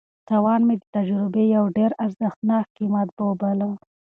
تاوان مې د تجربې یو ډېر ارزښتناک قیمت وباله.